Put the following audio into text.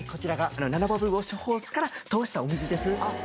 ナノバブルウォッシュホースから通したお水です。